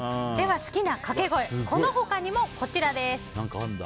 好きな掛け声、この他にもこちらです。